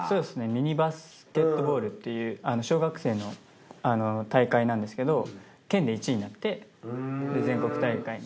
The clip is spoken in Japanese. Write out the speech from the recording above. ミニバスケットボールっていう小学生の大会なんですけど県で１位になって全国大会に。